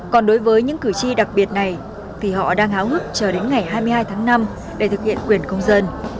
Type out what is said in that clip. còn đối với những cử tri đặc biệt này thì họ đang háo hức chờ đến ngày hai mươi hai tháng năm để thực hiện quyền công dân